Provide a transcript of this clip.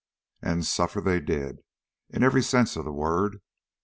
And suffer they did, in every sense of the word.